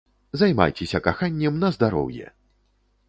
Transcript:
Займайцеся каханнем на здароўе!